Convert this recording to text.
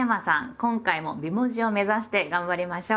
今回も美文字を目指して頑張りましょう。